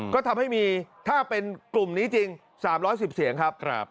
ก็ทำให้มีถ้าเป็นกลุ่มนี้จริง๓๑๐เสียงครับ